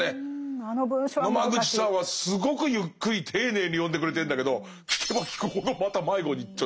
野間口さんはすごくゆっくり丁寧に読んでくれてるんだけど聞けば聞くほどまた迷子にちょっとなります。